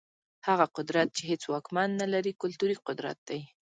هغه قدرت چي هيڅ واکمن نلري، کلتوري قدرت دی.